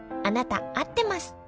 あなた合ってます」